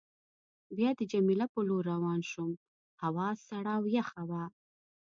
بیا د جميله په لور روان شوم، هوا سړه او یخه وه.